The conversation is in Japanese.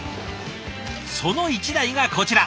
その一台がこちら。